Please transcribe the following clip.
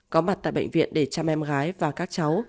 có mặt tại bệnh viện để chăm em gái và các cháu